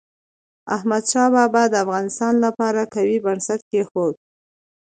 احمد شاه بابا د افغانستان لپاره قوي بنسټ کېښود.